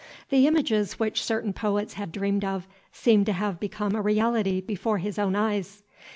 The images which certain poets had dreamed of seemed to have become a reality before his own eyes.